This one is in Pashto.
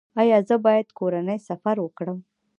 ایا زه باید کورنی سفر وکړم؟